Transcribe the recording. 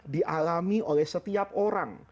dialami oleh setiap orang